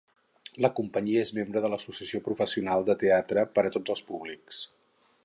La companyia és membre de l'Associació Professional de Teatre per a Tots els Públics.